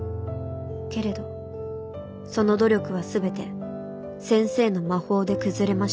けれどその努力はすべて先生の『魔法』で崩れました。